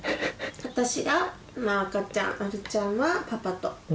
私が赤ちゃんあるちゃんはパパと。